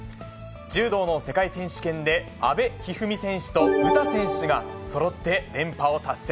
柔道の世界選手権で、阿部一二三選手と詩選手がそろって連覇を達成。